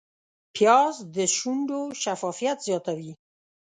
پیاز د شونډو شفافیت زیاتوي